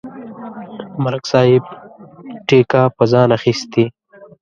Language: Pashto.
ملک صاحب ټېکه په ځان اخستې.